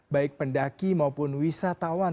baik pendaki maupun wisatawan